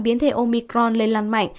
biến thể omicron lên lan mạnh